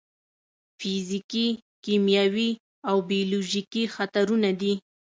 فزیکي، کیمیاوي او بیولوژیکي خطرونه دي.